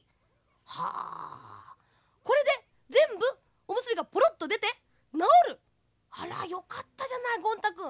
はあこれでぜんぶおむすびがポロッとでてなおる？あらよかったじゃないゴン太くん。